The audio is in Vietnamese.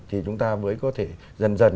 thì chúng ta mới có thể dần dần